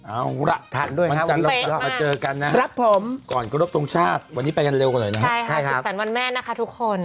เอาล่ะมันจะลองมาเจอกันนะครับครับผมก่อนกระโลกตรงชาติวันนี้ไปกันเร็วกว่าหน่อยนะครับใช่ค่ะจุดสรรวรรณแม่นะคะทุกคน